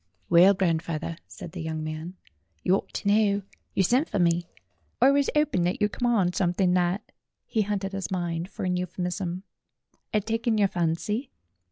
"Well, grandfawther," said the young man, "you ought to know. You sent for me. I was 'oping that you'd come on something that" he hunted his mind for an euphemism "had taken your fancy."